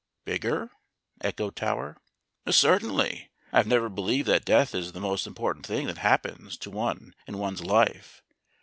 "Bigger?" echoed Tower. "Certainly. I have never believed that death is the most important thing that happens to one in one's life.